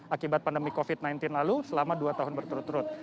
akibat pandemi covid sembilan belas lalu selama dua tahun berturut turut